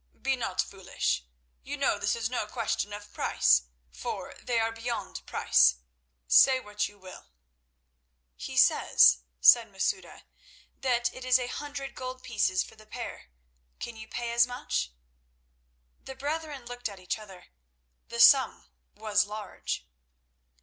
"Be not foolish. You know this is no question of price, for they are beyond price. Say what you will." "He says," said Masouda, "that it is a hundred gold pieces for the pair. Can you pay as much?" The brethren looked at each other. The sum was large.